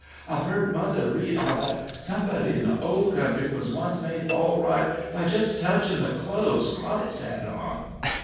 I've heard mother read how that somebody in the Old Country was once made all right by just touchin' the clothes Christ had on."